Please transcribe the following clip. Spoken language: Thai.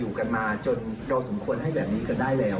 นึกสุดมาจนออกไปคุณให้แบบนี้ก็ได้แล้ว